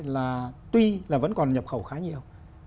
là tuy là vẫn còn nhập khẩu khá nhiều